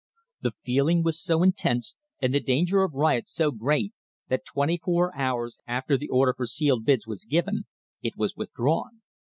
The feeling was so intense, and the danger of riot so great, that twenty four hours after the order for sealed bids was given, it was withdrawn.